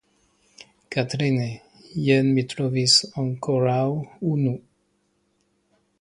Katrine, jen mi trovis ankoraŭ unu.